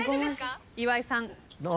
岩井さん。